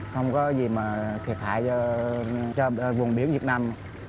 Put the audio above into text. không có gì mà thiệt hại cho vùng biển việt nam